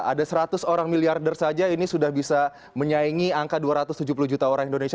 ada seratus orang miliarder saja ini sudah bisa menyaingi angka dua ratus tujuh puluh juta orang indonesia